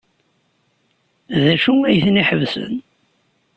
D acu ay tent-iḥebsen?